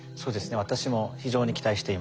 私も非常に期待しています。